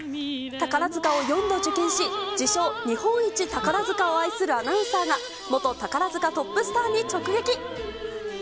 宝塚を４度受験し、自称、日本一宝塚を愛するアナウンサーが、元宝塚トップスターに直撃。